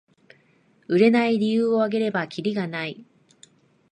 売れない理由をあげればキリがない